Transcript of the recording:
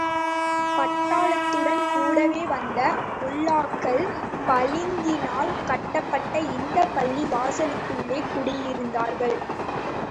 பட்டாளத்துடன் கூடவே வந்த முல்லாக்கள், பளிங்கினால் கட்டப்பட்ட இந்தப் பள்ளி வாசலுக்குள்ளே கூடியிருந்தார்கள்.